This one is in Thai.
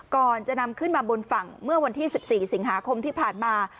ก่อนจะนำขึ้นมาบนฝั่งเมื่อวันที่๑๔สิงหาคมที่ผ่านมา